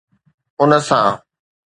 ان سان